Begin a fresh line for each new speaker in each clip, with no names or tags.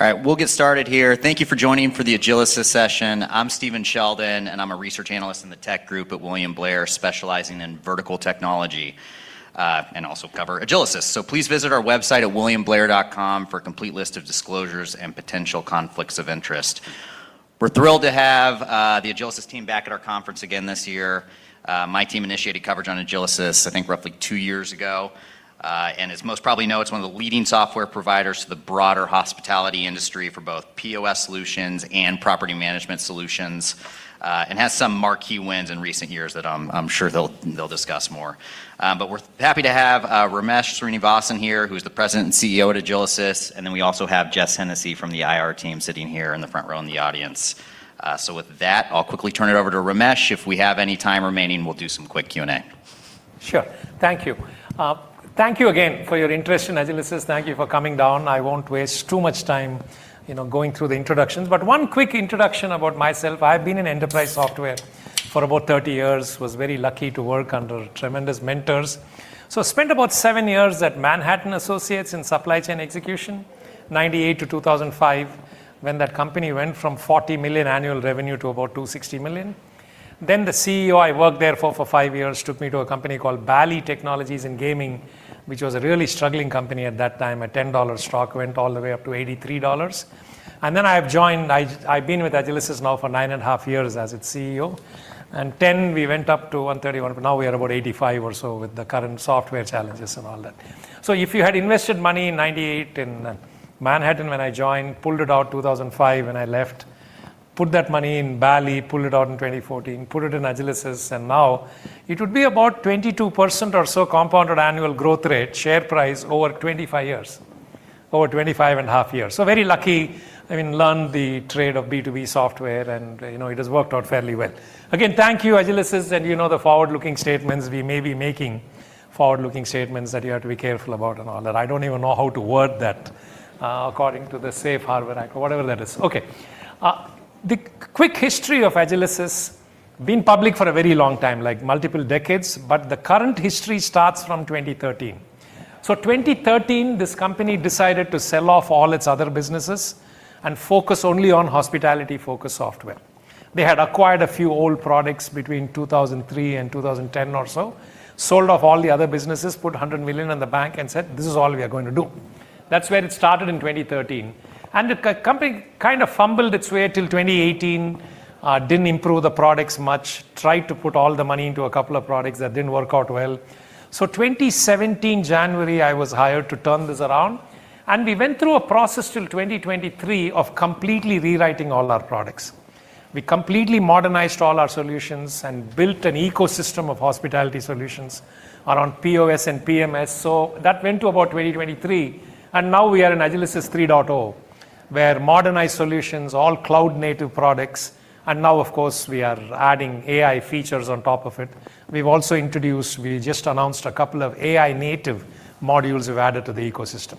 All right. We'll get started here. Thank you for joining for the Agilysys session. I'm Stephen Sheldon, and I'm a Research Analyst in the tech group at William Blair, specializing in vertical technology, and also cover Agilysys. Please visit our website at williamblair.com for a complete list of disclosures and potential conflicts of interest. We're thrilled to have the Agilysys team back at our conference again this year. My team initiated coverage on Agilysys, I think, roughly two years ago. As most probably know, it's one of the leading software providers to the broader hospitality industry for both POS solutions and property management solutions, and has some marquee wins in recent years that I'm sure they'll discuss more. We're happy to have Ramesh Srinivasan here, who's the President and CEO at Agilysys, and then we also have Jess Hennessy from the IR team sitting here in the front row in the audience. With that, I'll quickly turn it over to Ramesh. If we have any time remaining, we'll do some quick Q&A.
Sure. Thank you. Thank you again for your interest in Agilysys. Thank you for coming down. I won't waste too much time going through the introductions. One quick introduction about myself. I've been in enterprise software for about 30 years, was very lucky to work under tremendous mentors. Spent about seven years at Manhattan Associates in supply chain execution, 1998-2005, when that company went from $40 million annual revenue to about $260 million. The CEO I worked there for for five years took me to a company called Bally Technologies in gaming, which was a really struggling company at that time. A $10 stock went all the way up to $83. I've been with Agilysys now for nine and a half years as its CEO. We went up to 131, but now we are about 85 or so with the current software challenges and all that. If you had invested money in 1998 in Manhattan when I joined, pulled it out 2005 when I left, put that money in Bally, pulled it out in 2014, put it in Agilysys, and now it would be about 22% or so compounded annual growth rate, share price over 25 and a half years. Very lucky. I learned the trade of B2B software and it has worked out fairly well. Again, thank you, Agilysys, and you know the forward-looking statements. We may be making forward-looking statements that you have to be careful about and all that. I don't even know how to word that according to the safe harbor or whatever that is. Okay. The quick history of Agilysys. Been public for a very long time, like multiple decades, but the current history starts from 2013. 2013, this company decided to sell off all its other businesses and focus only on hospitality focus software. They had acquired a few old products between 2003 and 2010 or so, sold off all the other businesses, put $100 million in the bank and said, "This is all we are going to do." That's where it started in 2013. The company kind of fumbled its way till 2018. Didn't improve the products much, tried to put all the money into a couple of products that didn't work out well. 2017, January, I was hired to turn this around, and we went through a process till 2023 of completely rewriting all our products. We completely modernized all our solutions and built an ecosystem of hospitality solutions around POS and PMS. That went to about 2023, and now we are in Agilysys 3.0, where modernized solutions, all cloud-native products, and now of course, we are adding AI features on top of it. We've also introduced, we just announced a couple of AI native modules we've added to the ecosystem.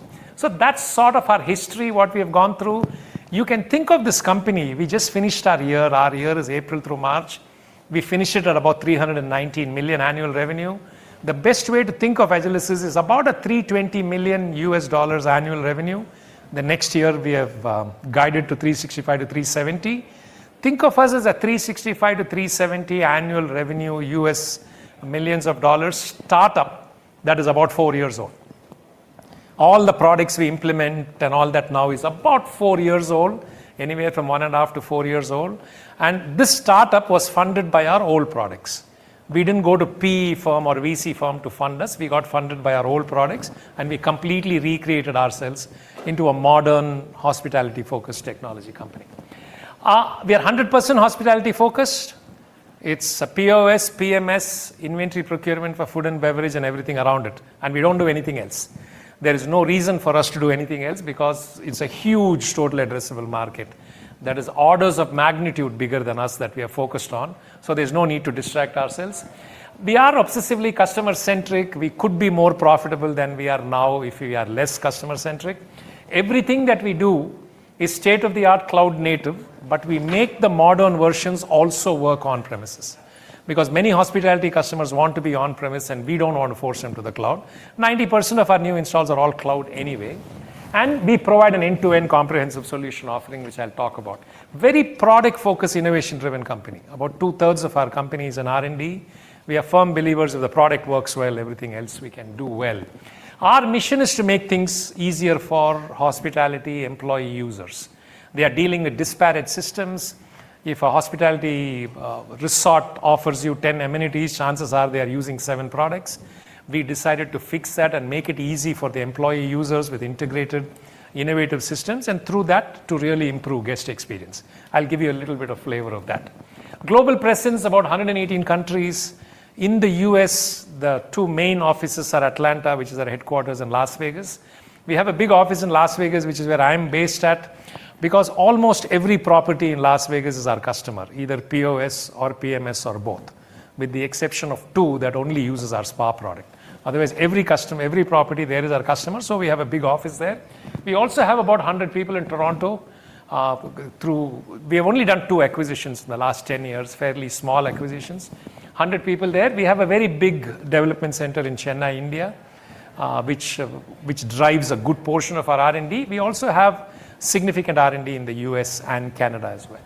That's sort of our history, what we have gone through. You can think of this company, we just finished our year. Our year is April through March. We finished it at about $319 million annual revenue. The best way to think of Agilysys is about a $320 million annual revenue. The next year, we have guided to $365 million-$370 million. Think of us as a $365 million-$370 million annual revenue startup that is about four years old. All the products we implement and all that now is about four years old, anywhere from one and a half to four years old. This startup was funded by our old products. We didn't go to PE firm or VC firm to fund us. We got funded by our old products, and we completely recreated ourselves into a modern hospitality-focused technology company. We are 100% hospitality focused. It's a POS, PMS, inventory procurement for food and beverage, and everything around it, and we don't do anything else. There is no reason for us to do anything else because it's a huge total addressable market that is orders of magnitude bigger than us that we are focused on. There's no need to distract ourselves. We are obsessively customer-centric. We could be more profitable than we are now if we are less customer-centric. Everything that we do is state-of-the-art cloud-native. We make the modern versions also work on premises because many hospitality customers want to be on-premise. We don't want to force them to the cloud. 90% of our new installs are all cloud anyway. We provide an end-to-end comprehensive solution offering, which I'll talk about. Very product-focused, innovation-driven company. About 2/3 of our company is in R&D. We are firm believers if the product works well, everything else we can do well. Our mission is to make things easier for hospitality employee users. They are dealing with disparate systems. If a hospitality resort offers you 10 amenities, chances are they are using seven products. We decided to fix that and make it easy for the employee users with integrated innovative systems, and through that, to really improve guest experience. I'll give you a little bit of flavor of that. Global presence, about 118 countries. In the U.S., the two main offices are Atlanta, which is our headquarters, and Las Vegas. We have a big office in Las Vegas, which is where I'm based at, because almost every property in Las Vegas is our customer, either POS or PMS or both, with the exception of two that only uses our spa product. Otherwise, every property there is our customer, so we have a big office there. We also have about 100 people in Toronto. We have only done two acquisitions in the last 10 years, fairly small acquisitions. 100 people there. We have a very big development center in Chennai, India, which drives a good portion of our R&D. We also have significant R&D in the U.S. and Canada as well.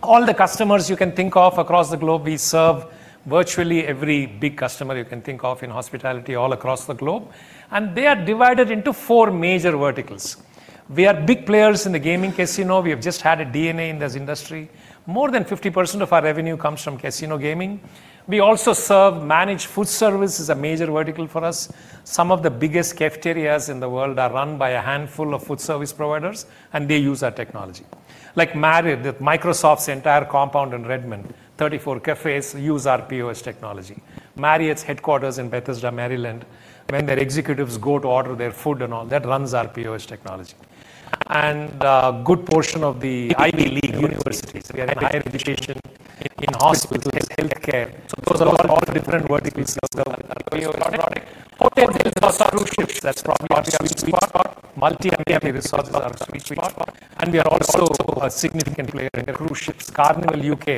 All the customers you can think of across the globe, we serve virtually every big customer you can think of in hospitality all across the globe. They are divided into four major verticals. We are big players in the gaming casino. We have just had a DNA in this industry. More than 50% of our revenue comes from casino gaming. We also serve managed food service, is a major vertical for us. Some of the biggest cafeterias in the world are run by a handful of food service providers. They use our technology. Like Marriott, Microsoft's entire compound in Redmond, 34 cafes use our POS technology. Marriott's headquarters in Bethesda, Maryland, when their executives go to order their food and all, that runs our POS technology. A good portion of the Ivy League universities. We are in higher education, in hospitals, healthcare. Those are all the different verticals we serve with our POS product. Hotel and cruise ships, that's probably our sweet spot. Multi-unit restaurants is our sweet spot. We are also a significant player in cruise ships. Carnival UK,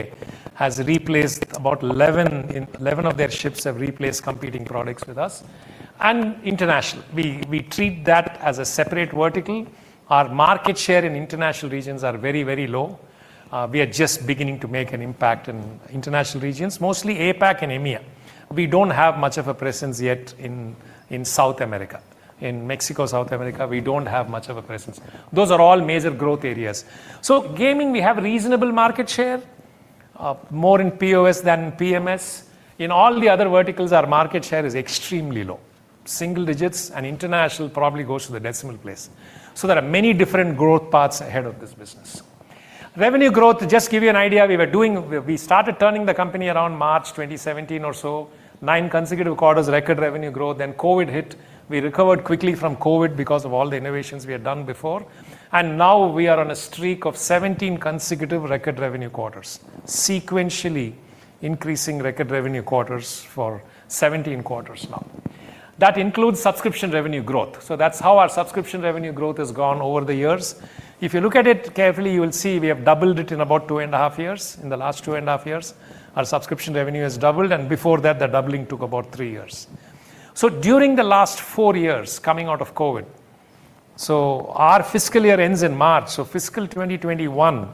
11 of their ships have replaced competing products with us. International. We treat that as a separate vertical. Our market share in international regions are very low. We are just beginning to make an impact in international regions, mostly APAC and EMEA. We don't have much of a presence yet in South America. In Mexico, South America, we don't have much of a presence. Those are all major growth areas. Gaming, we have reasonable market share, more in POS than in PMS. In all the other verticals, our market share is extremely low, single digits, and international probably goes to the decimal place. There are many different growth paths ahead of this business. Revenue growth, to just give you an idea, we started turning the company around March 2017 or so, nine consecutive quarters record revenue growth. COVID hit. We recovered quickly from COVID because of all the innovations we had done before. Now we are on a streak of 17 consecutive record revenue quarters, sequentially increasing record revenue quarters for 17 quarters now. That includes subscription revenue growth. That's how our subscription revenue growth has gone over the years. If you look at it carefully, you will see we have doubled it in about two and a half years. In the last two and a half years, our subscription revenue has doubled, and before that, the doubling took about three years. During the last four years, coming out of COVID, our fiscal year ends in March, fiscal 2021,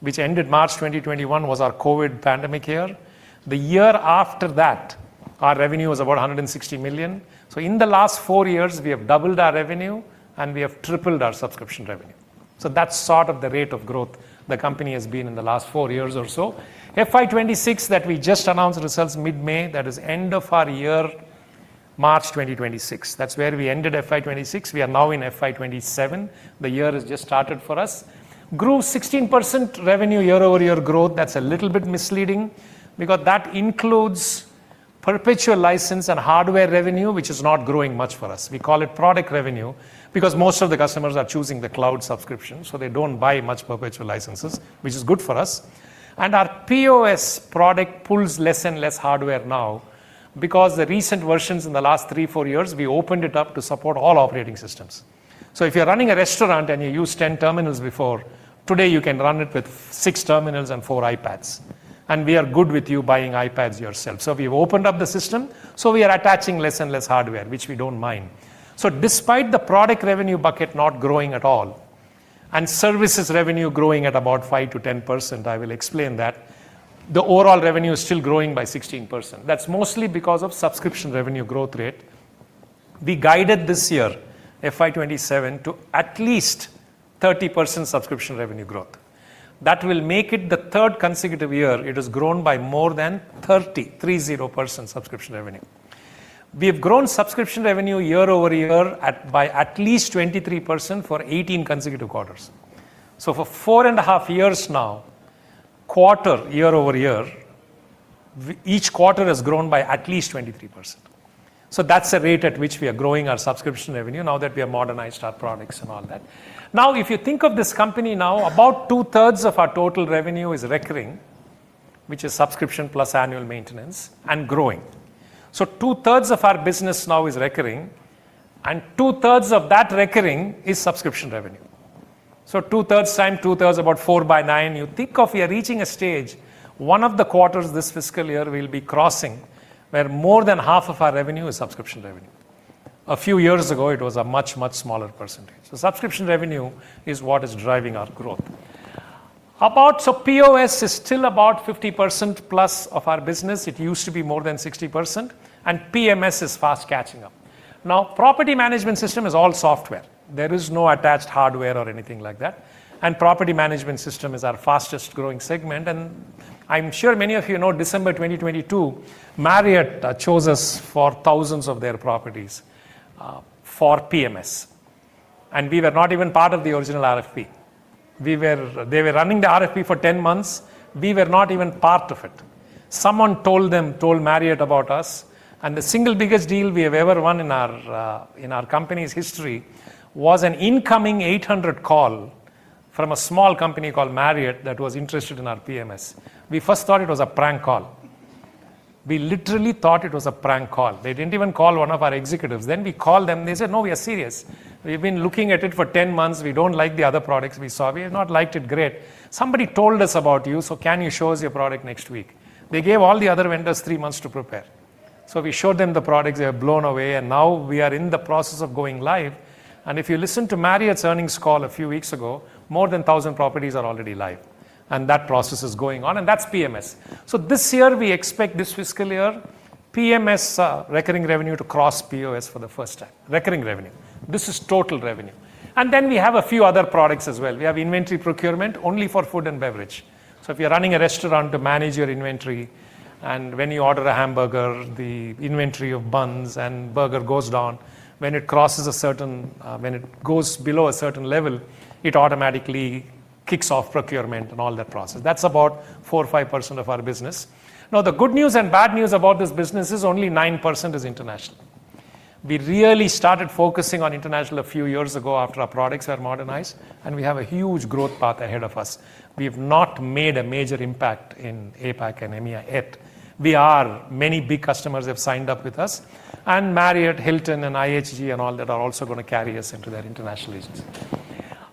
which ended March 2021, was our COVID pandemic year. The year after that, our revenue was about $160 million. In the last four years, we have doubled our revenue, and we have tripled our subscription revenue. That's sort of the rate of growth the company has been in the last four years or so. FY 2026 that we just announced results mid-May, that is end of our year, March 2026. That's where we ended FY 2026. We are now in FY 2027. The year has just started for us. Grew 16% revenue year-over-year growth. That's a little bit misleading because that includes perpetual license and hardware revenue, which is not growing much for us. We call it product revenue because most of the customers are choosing the cloud subscription, so they don't buy much perpetual licenses, which is good for us. Our POS product pulls less and less hardware now because the recent versions in the last three, four years, we opened it up to support all operating systems. If you're running a restaurant and you used 10 terminals before, today you can run it with six terminals and four iPads, we are good with you buying iPads yourself. We've opened up the system, so we are attaching less and less hardware, which we don't mind. Despite the product revenue bucket not growing at all and services revenue growing at about 5%-10%, I will explain that, the overall revenue is still growing by 16%. That's mostly because of subscription revenue growth rate. We guided this year, FY 2027, to at least 30% subscription revenue growth. That will make it the third consecutive year it has grown by more than 30% subscription revenue. We have grown subscription revenue year-over-year by at least 23% for 18 consecutive quarters. For four and a half years now, quarter, year-over-year, each quarter has grown by at least 23%. That's the rate at which we are growing our subscription revenue now that we have modernized our products and all that. Now, if you think of this company now, about 2/3 of our total revenue is recurring, which is subscription plus annual maintenance, and growing. Two-thirds of our business now is recurring, and 2/3 of that recurring is subscription revenue. Two-thirds times two-thirds, about four by nine. You think of we are reaching a stage, one of the quarters this fiscal year we'll be crossing, where more than half of our revenue is subscription revenue. A few years ago, it was a much smaller percentage. Subscription revenue is what is driving our growth. POS is still about 50%+ of our business. It used to be more than 60%, and PMS is fast catching up. Now, property management system is all software. There is no attached hardware or anything like that, and property management system is our fastest-growing segment, and I'm sure many of you know December 2022, Marriott chose us for thousands of their properties for PMS, and we were not even part of the original RFP. They were running the RFP for 10 months. We were not even part of it. Someone told Marriott about us, and the single biggest deal we have ever won in our company's history was an incoming 800 call from a small company called Marriott that was interested in our PMS. We first thought it was a prank call. We literally thought it was a prank call. They didn't even call one of our executives. We called them, they said, "No, we are serious. We've been looking at it for 10 months. We don't like the other products we saw. We have not liked it great. Somebody told us about you, can you show us your product next week?" They gave all the other vendors three months to prepare. We showed them the products, they are blown away, and now we are in the process of going live. If you listen to Marriott's earnings call a few weeks ago, more than 1,000 properties are already live, and that process is going on, and that's PMS. This year, we expect this fiscal year PMS recurring revenue to cross POS for the first time. Recurring revenue. This is total revenue. We have a few other products as well. We have inventory procurement only for food and beverage. If you're running a restaurant to manage your inventory and when you order a hamburger, the inventory of buns and burger goes down. When it goes below a certain level, it automatically kicks off procurement and all that process. That's about 4% or 5% of our business. The good news and bad news about this business is only 9% is international. We really started focusing on international a few years ago after our products are modernized, and we have a huge growth path ahead of us. We have not made a major impact in APAC and EMEA yet. Many big customers have signed up with us, and Marriott, Hilton, and IHG and all that are also going to carry us into that international agency.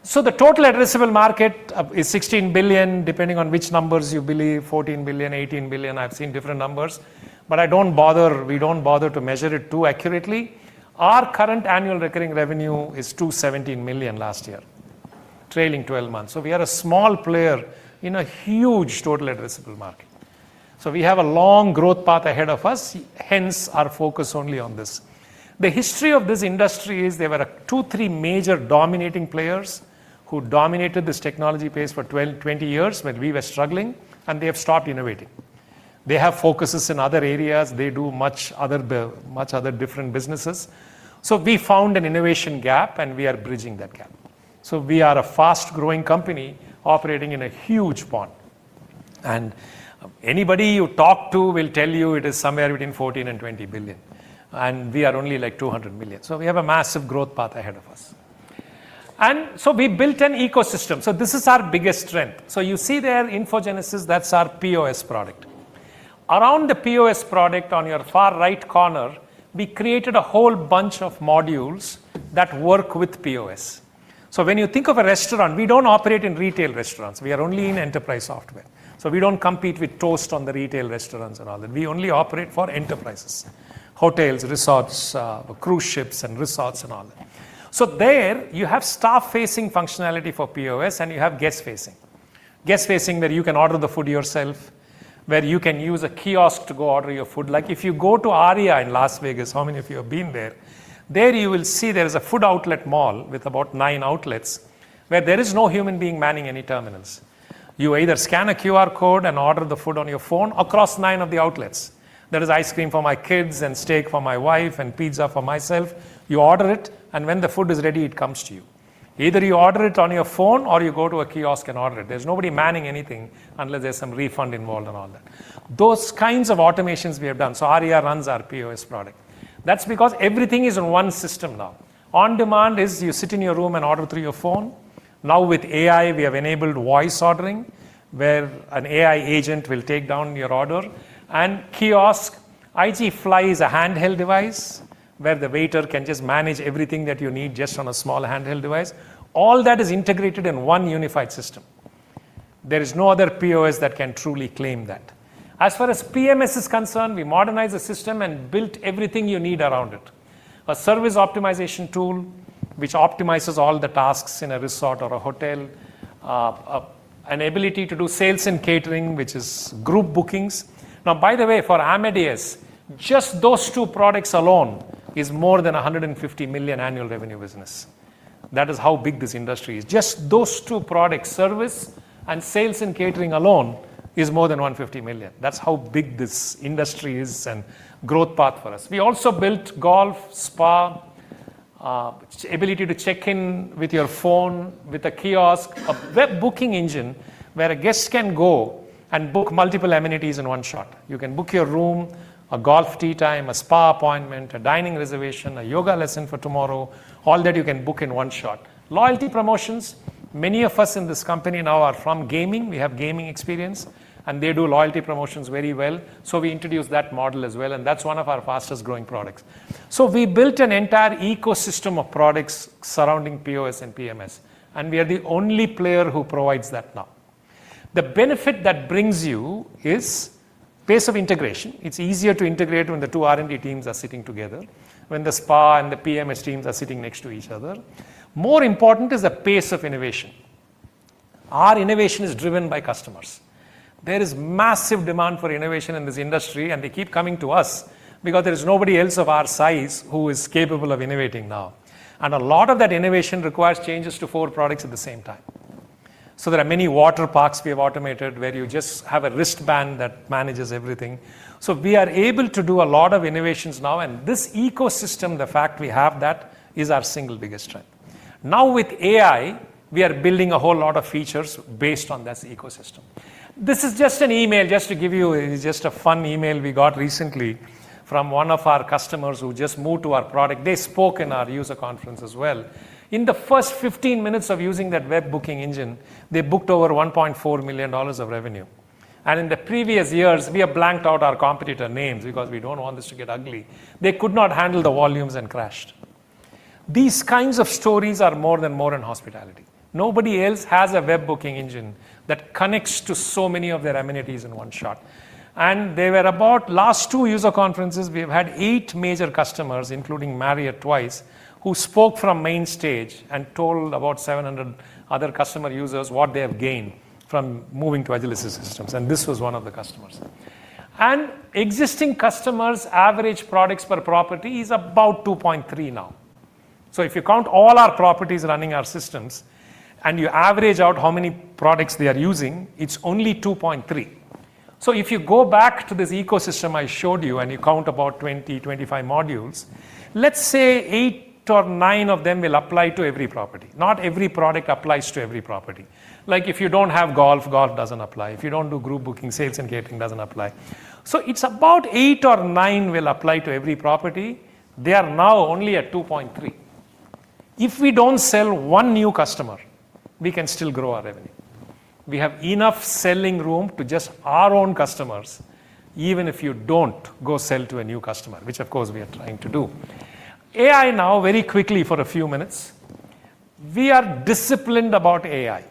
The total addressable market is $16 billion, depending on which numbers you believe, $14 billion, $18 billion. I've seen different numbers. We don't bother to measure it too accurately. Our current annual recurring revenue is $217 million last year, trailing 12 months. We are a small player in a huge total addressable market. We have a long growth path ahead of us, hence our focus only on this. The history of this industry is there were two, three major dominating players who dominated this technology pace for 20 years when we were struggling, and they have stopped innovating. They have focuses in other areas. They do much other different businesses. We found an innovation gap, and we are bridging that gap. We are a fast-growing company operating in a huge pond. Anybody you talk to will tell you it is somewhere between $14 billion and $20 billion, and we are only like $200 million. We have a massive growth path ahead of us. We built an ecosystem. This is our biggest strength. You see there InfoGenesis, that's our POS product. Around the POS product on your far right corner, we created a whole bunch of modules that work with POS. When you think of a restaurant, we don't operate in retail restaurants, we are only in enterprise software. We don't compete with Toast on the retail restaurants and all that. We only operate for enterprises, hotels, resorts, cruise ships, and resorts and all that. There you have staff-facing functionality for POS, and you have guest-facing. Guest-facing where you can order the food yourself, where you can use a kiosk to go order your food. Like if you go to Aria in Las Vegas, how many of you have been there? There you will see there is a food outlet mall with about nine outlets where there is no human being manning any terminals. You either scan a QR code and order the food on your phone across nine of the outlets. There is ice cream for my kids and steak for my wife and pizza for myself. You order it, and when the food is ready, it comes to you. Either you order it on your phone or you go to a kiosk and order it. There's nobody manning anything unless there's some refund involved and all that. Those kinds of automations we have done. Aria runs our POS product. That's because everything is on one system now. On-Demand is you sit in your room and order through your phone. With AI, we have enabled voice ordering, where an AI agent will take down your order. Kiosk, IG Fly is a handheld device where the waiter can just manage everything that you need just on a small handheld device. All that is integrated in one unified system. There is no other POS that can truly claim that. As far as PMS is concerned, we modernized the system and built everything you need around it. A service optimization tool, which optimizes all the tasks in a resort or a hotel. An ability to do sales and catering, which is group bookings. By the way, for Amadeus, just those two products alone is more than $150 million annual revenue business. That is how big this industry is. Just those two products, service and sales and catering alone, is more than $150 million. That's how big this industry is and growth path for us. We also built golf, spa, ability to check in with your phone, with a kiosk, a web booking engine where a guest can go and book multiple amenities in one shot. You can book your room, a golf tee time, a spa appointment, a dining reservation, a yoga lesson for tomorrow. All that you can book in one shot. Loyalty promotions. Many of us in this company now are from gaming. We have gaming experience, and they do loyalty promotions very well. We introduced that model as well, and that's one of our fastest-growing products. We built an entire ecosystem of products surrounding POS and PMS, and we are the only player who provides that now. The benefit that brings you is pace of integration. It's easier to integrate when the two R&D teams are sitting together, when the spa and the PMS teams are sitting next to each other. More important is the pace of innovation. Our innovation is driven by customers. There is massive demand for innovation in this industry, and they keep coming to us because there is nobody else of our size who is capable of innovating now. A lot of that innovation requires changes to four products at the same time. There are many water parks we have automated where you just have a wristband that manages everything. We are able to do a lot of innovations now, and this ecosystem, the fact we have that, is our single biggest strength. Now with AI, we are building a whole lot of features based on this ecosystem. This is just an email, just to give you, it is just a fun email we got recently from one of our customers who just moved to our product. They spoke in our user conference as well. In the first 15 minutes of using that web booking engine, they booked over $1.4 million of revenue. In the previous years, we have blanked out our competitor names because we don't want this to get ugly. They could not handle the volumes and crashed. These kinds of stories are more than modern hospitality. Nobody else has a web booking engine that connects to so many of their amenities in one shot. They were about last two user conferences, we have had eight major customers, including Marriott twice, who spoke from main stage and told about 700 other customer users what they have gained from moving to Agilysys systems, and this was one of the customers. Existing customers' average products per property is about 2.3 now. If you count all our properties running our systems and you average out how many products they are using, it's only 2.3. If you go back to this ecosystem I showed you and you count about 20, 25 modules, let's say eight or nine of them will apply to every property. Not every product applies to every property. Like if you don't have golf doesn't apply. If you don't do group booking, sales and catering doesn't apply. It's about eight or nine will apply to every property. They are now only at 2.3. If we don't sell one new customer, we can still grow our revenue. We have enough selling room to just our own customers, even if you don't go sell to a new customer, which of course we are trying to do. AI now, very quickly for a few minutes. We are disciplined about AI.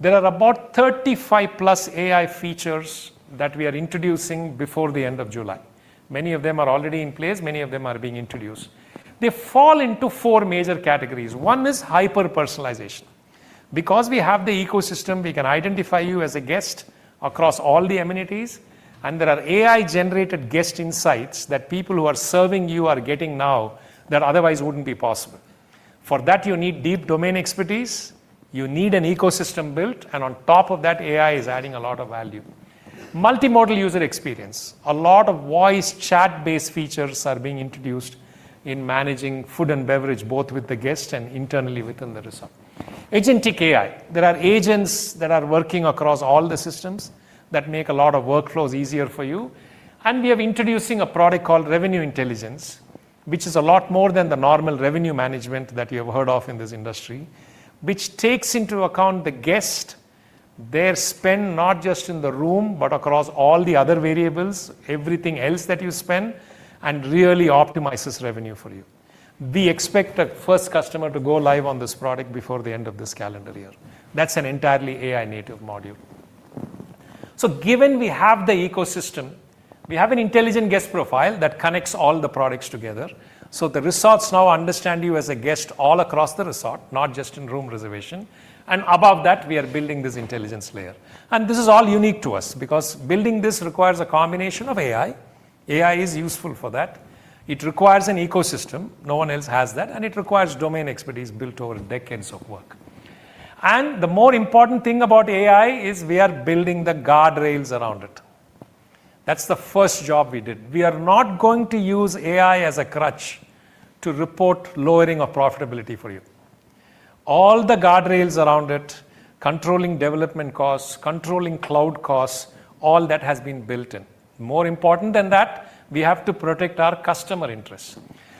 There are about 35+ AI features that we are introducing before the end of July. Many of them are already in place. Many of them are being introduced. They fall into four major categories. One is hyper-personalization. Because we have the ecosystem, we can identify you as a guest across all the amenities, and there are AI-generated guest insights that people who are serving you are getting now that otherwise wouldn't be possible. For that, you need deep domain expertise, you need an ecosystem built, and on top of that, AI is adding a lot of value. Multimodal user experience. A lot of voice chat-based features are being introduced in managing food and beverage, both with the guest and internally within the resort. Agentic AI. There are agents that are working across all the systems that make a lot of workflows easier for you. We are introducing a product called Revenue Intelligence, which is a lot more than the normal revenue management that you have heard of in this industry, which takes into account the guest, their spend, not just in the room, but across all the other variables, everything else that you spend, and really optimizes revenue for you. We expect the first customer to go live on this product before the end of this calendar year. That's an entirely AI-native module. Given we have the ecosystem, we have an intelligent guest profile that connects all the products together. The resorts now understand you as a guest all across the resort, not just in room reservation. Above that, we are building this intelligence layer. This is all unique to us because building this requires a combination of AI. AI is useful for that. It requires an ecosystem. No one else has that. It requires domain expertise built over decades of work. The more important thing about AI is we are building the guardrails around it. That's the first job we did. We are not going to use AI as a crutch to report lowering of profitability for you. All the guardrails around it, controlling development costs, controlling cloud costs, all that has been built in. More important than that, we have to protect our customer interests.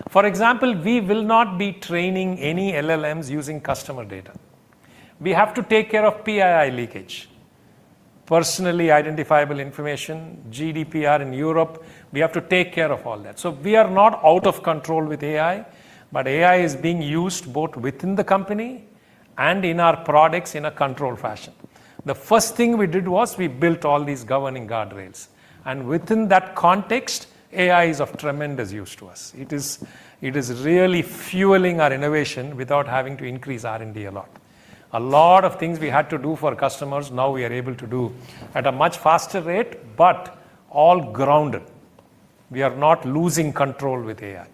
For example, we will not be training any LLMs using customer data. We have to take care of PII leakage, personally identifiable information, GDPR in Europe, we have to take care of all that. We are not out of control with AI, but AI is being used both within the company and in our products in a controlled fashion. The first thing we did was we built all these governing guardrails. Within that context, AI is of tremendous use to us. It is really fueling our innovation without having to increase R&D a lot. A lot of things we had to do for customers, now we are able to do at a much faster rate, but all grounded. We are not losing control with AI.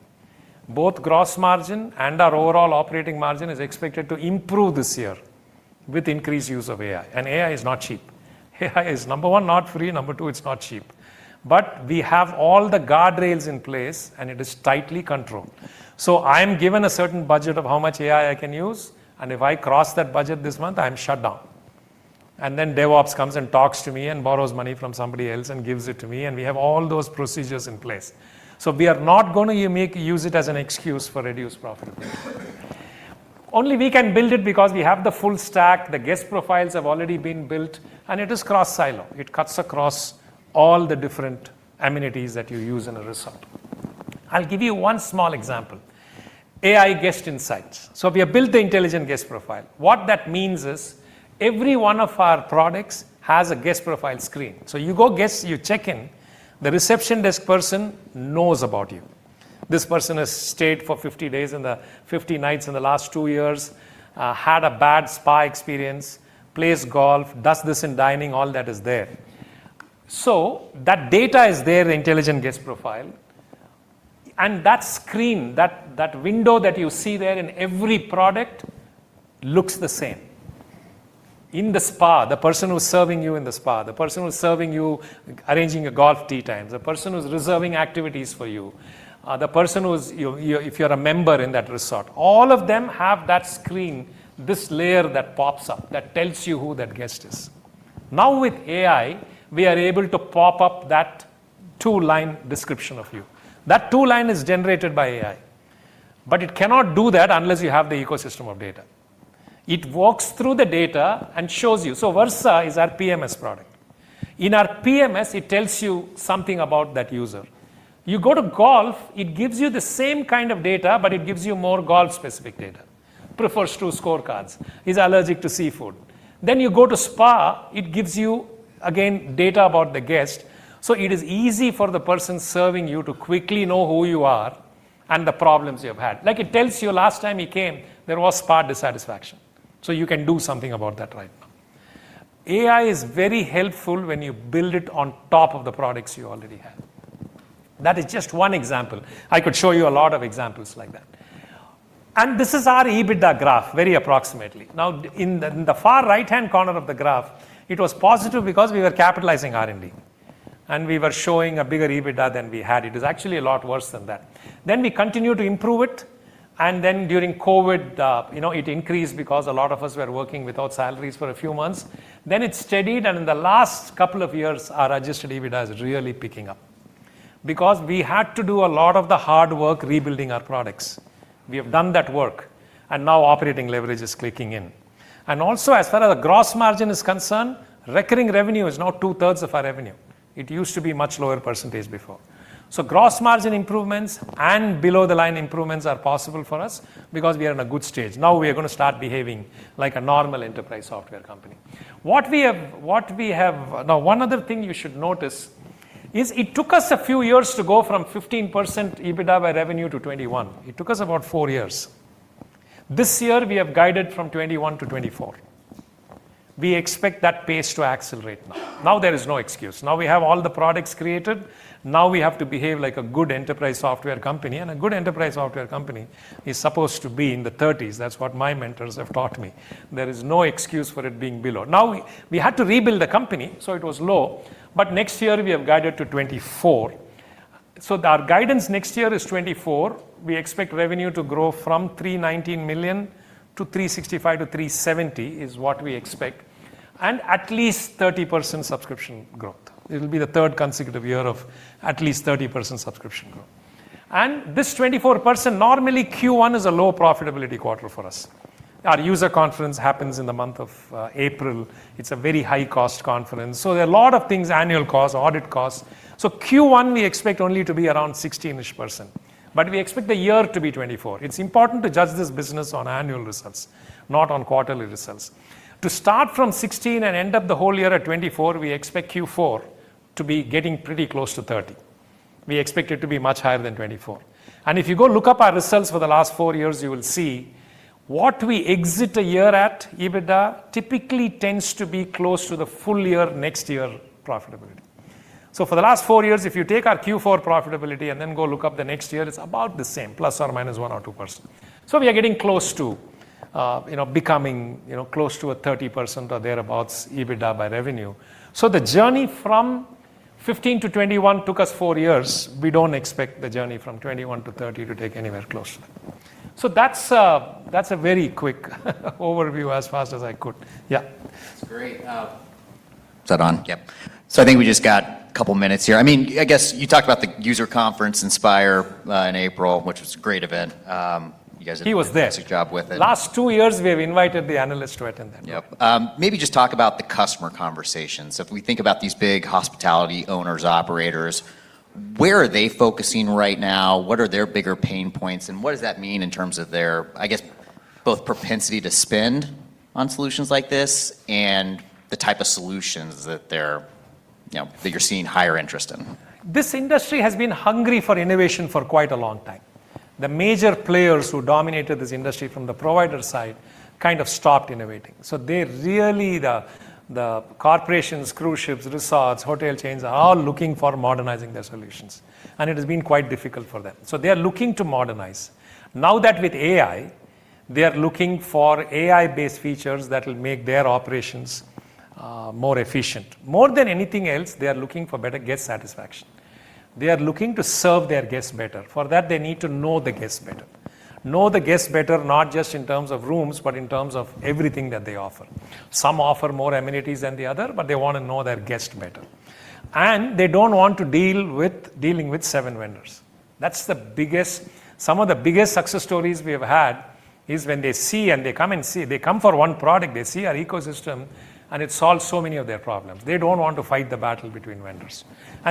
Both gross margin and our overall operating margin is expected to improve this year with increased use of AI. AI is not cheap. AI is, number one, not free, number two, it's not cheap. We have all the guardrails in place and it is tightly controlled. I'm given a certain budget of how much AI I can use, and if I cross that budget this month, I'm shut down. DevOps comes and talks to me and borrows money from somebody else and gives it to me, and we have all those procedures in place. We are not going to use it as an excuse for reduced profitability. Only we can build it because we have the full stack, the guest profiles have already been built, and it is cross-silo. It cuts across all the different amenities that you use in a resort. I'll give you one small example, AI guest insights. We have built the intelligent guest profile. What that means is, every one of our products has a guest profile screen. You go, you check in, the reception desk person knows about you. This person has stayed for 50 days and the 50 nights in the last two years, had a bad spa experience, plays golf, does this in dining, all that is there. That data is there, the intelligent guest profile. That screen, that window that you see there in every product looks the same. In the spa, the person who's serving you in the spa, the person who's serving you arranging a golf tee time, the person who's reserving activities for you, the person if you're a member in that resort, all of them have that screen, this layer that pops up that tells you who that guest is. Now with AI, we are able to pop up that two-line description of you. That two line is generated by AI. It cannot do that unless you have the ecosystem of data. It walks through the data and shows you. Visual One is our PMS product. In our PMS, it tells you something about that user. You go to golf, it gives you the same kind of data, but it gives you more golf-specific data. Prefers two scorecards, is allergic to seafood. You go to spa, it gives you, again, data about the guest. It is easy for the person serving you to quickly know who you are and the problems you have had. It tells you last time you came, there was spa dissatisfaction. You can do something about that right now. AI is very helpful when you build it on top of the products you already have. That is just one example. I could show you a lot of examples like that. This is our EBITDA graph, very approximately. Now, in the far right-hand corner of the graph, it was positive because we were capitalizing R&D, and we were showing a bigger EBITDA than we had. It is actually a lot worse than that. We continued to improve it, and then during COVID, it increased because a lot of us were working without salaries for a few months. It steadied, and in the last couple of years, our adjusted EBITDA is really picking up. Because we had to do a lot of the hard work rebuilding our products. We have done that work, and now operating leverage is clicking in. Also, as far as the gross margin is concerned, recurring revenue is now 2/3 of our revenue. It used to be much lower percentage before. Gross margin improvements and below the line improvements are possible for us because we are in a good stage. Now we are going to start behaving like a normal enterprise software company. Now, one other thing you should notice is it took us a few years to go from 15% EBITDA by revenue to 21%. It took us about four years. This year, we have guided from 21% to 24%. We expect that pace to accelerate now. Now there is no excuse. Now we have all the products created. Now we have to behave like a good enterprise software company, and a good enterprise software company is supposed to be in the 30s%. That's what my mentors have taught me. There is no excuse for it being below. Now, we had to rebuild the company, so it was low. Next year we have guided to 24%. Our guidance next year is 24%. We expect revenue to grow from $319 million to $365 million-$370 million, is what we expect, and at least 30% subscription growth. It will be the third consecutive year of at least 30% subscription growth. This 24%. Normally, Q1 is a low profitability quarter for us. Our user conference happens in the month of April. It's a very high-cost conference. There are a lot of things, annual costs, audit costs. Q1, we expect only to be around 16-ish%. We expect the year to be 24%. It's important to judge this business on annual results, not on quarterly results. To start from 16% and end up the whole year at 24%, we expect Q4 to be getting pretty close to 30%. We expect it to be much higher than 24%. If you go look up our results for the last four years, you will see what we exit a year at EBITDA, typically tends to be close to the full year next year profitability. For the last four years, if you take our Q4 profitability and then go look up the next year, it's about the same, ±1% or 2%. We are getting close to becoming, close to a 30% or thereabouts EBITDA by revenue. The journey from 15%-21% took us four years. We don't expect the journey from 21%-30% to take anywhere close to that. That's a very quick overview as fast as I could. Yeah.
That's great. Is that on? Yep. I think we just got a couple minutes here. I guess you talked about the user conference Inspire, in April, which was a great event. You guys did-
He was there....
a fantastic job with it.
Last two years, we have invited the analyst to attend that.
Yep. Maybe just talk about the customer conversations. If we think about these big hospitality owners, operators, where are they focusing right now? What are their bigger pain points, and what does that mean in terms of their, I guess, both propensity to spend on solutions like this and the type of solutions that you're seeing higher interest in?
This industry has been hungry for innovation for quite a long time. The major players who dominated this industry from the provider side kind of stopped innovating. They really, the corporations, cruise ships, resorts, hotel chains, are all looking for modernizing their solutions, and it has been quite difficult for them. They are looking to modernize. Now that with AI, they are looking for AI-based features that will make their operations more efficient. More than anything else, they are looking for better guest satisfaction. They are looking to serve their guests better. For that, they need to know the guest better. Know the guest better, not just in terms of rooms, but in terms of everything that they offer. Some offer more amenities than the other, but they want to know their guest better. They don't want to deal with dealing with seven vendors. Some of the biggest success stories we have had is when they see and they come and see. They come for one product, they see our ecosystem, and it solves so many of their problems. They don't want to fight the battle between vendors.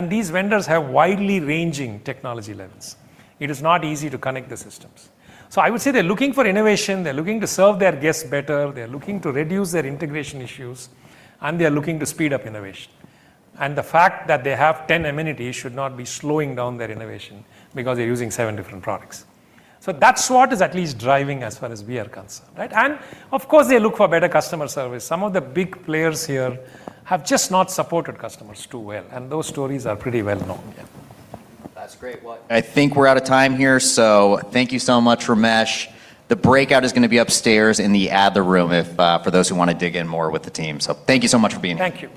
These vendors have widely ranging technology levels. It is not easy to connect the systems. I would say they're looking for innovation. They're looking to serve their guests better, they're looking to reduce their integration issues, and they're looking to speed up innovation. The fact that they have 10 amenities should not be slowing down their innovation because they're using seven different products. That's what is at least driving as far as we are concerned, right? Of course, they look for better customer service. Some of the big players here have just not supported customers too well. Those stories are pretty well known.
Yeah. That's great. Well, I think we're out of time here. Thank you so much, Ramesh. The breakout is going to be upstairs in the Adler Room for those who want to dig in more with the team. Thank you so much for being here.
Thank you.